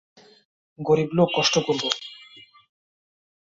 গরীব লোক, কষ্ট করব।